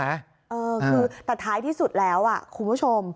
เออคือแต่ท้ายที่สุดแล้วคุณผู้ชม